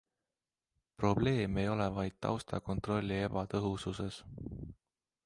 Probleem ei ole vaid taustakontrolli ebatõhususes.